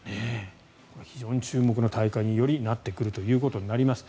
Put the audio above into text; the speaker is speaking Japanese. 非常に注目な大会によりなってくるということになります。